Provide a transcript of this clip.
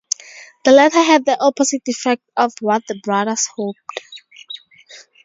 The letter had the opposite effect of what the brothers hoped.